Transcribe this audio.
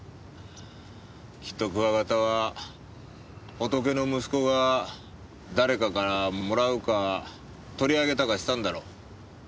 きっとクワガタはホトケの息子が誰かからもらうか取り上げたかしたんだろ。